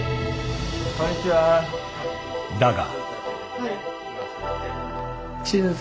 だが。